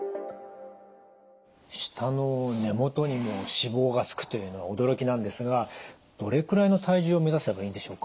舌の根もとにも脂肪がつくというのは驚きなんですがどれくらいの体重を目指せばいいんでしょうか？